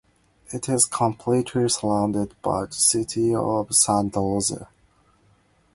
It is completely surrounded by the city of Santa Rosa.